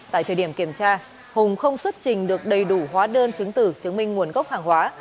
tại thời điểm kiểm tra hùng không xuất trình được đầy đủ hóa đơn chứng tử chứng minh nguồn gốc hàng hóa